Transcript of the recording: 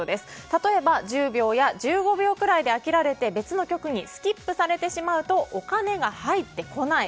例えば１０秒や１５秒ぐらいで飽きられて別の曲にスキップされてしまうとお金が入ってこない。